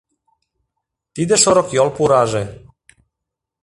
Тиде шорыкйол пураже